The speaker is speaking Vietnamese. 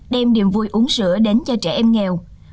đem niềm vui uống sữa đến cho trẻ em nghèo